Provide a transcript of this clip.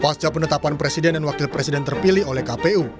pasca penetapan presiden dan wakil presiden terpilih oleh kpu